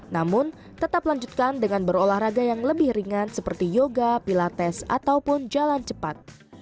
namun tetap lanjutkan dengan berolahraga yang lebih ringan seperti yoga pilates ataupun jalan cepat